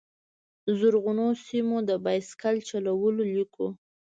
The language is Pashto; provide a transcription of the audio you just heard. زرغونو سیمو، د بایسکل چلولو لیکو